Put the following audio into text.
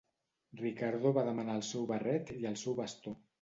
Ricardo va demanar el seu barret i el seu bastó.